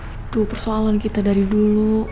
itu persoalan kita dari dulu